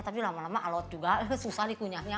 tapi lama lama alat juga susah nih kunyanya